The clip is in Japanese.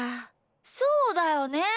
そうだよね。